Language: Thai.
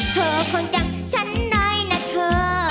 เธอคนจำฉันได้นะเธอ